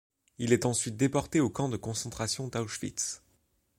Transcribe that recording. Il est ensuite déporté au camp de concentration d'Auschwitz.